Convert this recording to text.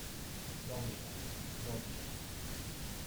— Dobrze! dobrze!